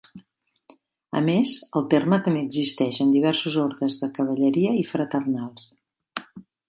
A més, el terme també existeix en diversos ordes de cavalleria i fraternals.